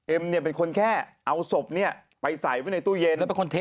เอ็มเป็นคนแค่เอาศพไปใส่ไว้ในตู้เย็น